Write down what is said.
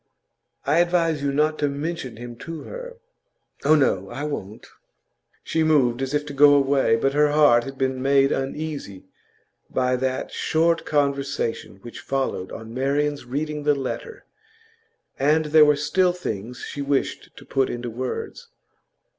I advise you not to mention him to her.' 'Oh no, I won't.' She moved as if to go away, but her heart had been made uneasy by that short conversation which followed on Marian's reading the letter, and there were still things she wished to put into words.